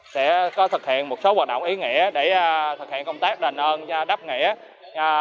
sẽ có thực hiện một số hoạt động ý nghĩa để thực hiện công tác đền ơn đáp nghĩa